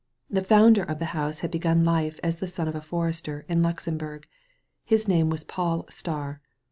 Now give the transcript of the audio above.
The founder of the house had begun life as the son of a forester in Luxemburg. His name was Pol Staar.